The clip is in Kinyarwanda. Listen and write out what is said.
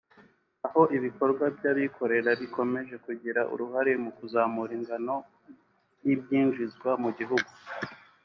aho ibikorwa by’ abikorera bikomeje kugira uruhare mu kuzamura ingano y’ ibyinjizwa mu gihugu